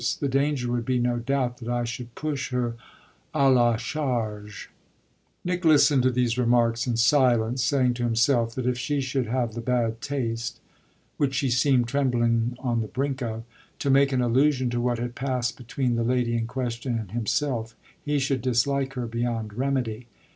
The danger would be, no doubt, that I should push her à la charge." Nick listened to these remarks in silence, saying to himself that if she should have the bad taste which she seemed trembling on the brink of to make an allusion to what had passed between the lady in question and himself he should dislike her beyond remedy.